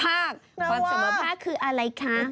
ความเสมอภาคคืออะไรคะ